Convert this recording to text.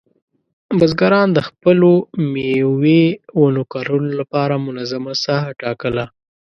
بزګران د خپلو مېوې ونو کرلو لپاره منظمه ساحه ټاکله.